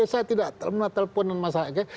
saya tidak pernah telepon masalah ektp